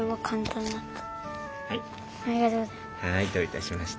ありがとうございます。